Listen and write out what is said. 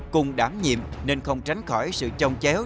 cùng đảm nhiệm nên không tránh khỏi sự trông chéo